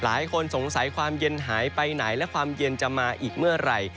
หลายคนสงสัยความเย็นหายไปไหนและความเย็นจะมาอีกเมื่อไหร่